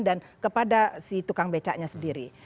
dan kepada si tukang becaknya sendiri